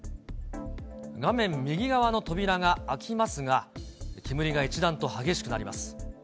画面右側の扉が開きますが、煙が一段と激しくなります。